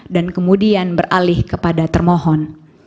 dan kemudian beralih kepada termohon